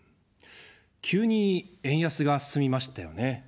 急に円安が進みましたよね。